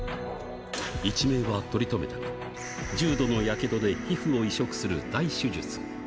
一命は取り留めたが、重度のやけどで皮膚を移植する大手術。